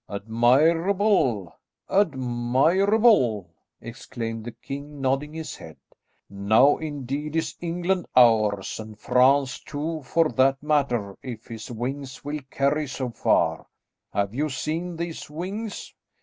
"Admirable, admirable!" exclaimed the king nodding his head. "Now indeed is England ours, and France too for that matter, if his wings will carry so far. Have you seen these wings?"